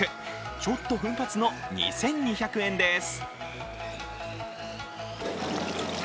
ちょっと奮発の２２００円です。